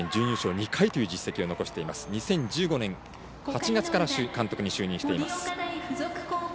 ２０１５年８月から監督に就任しています。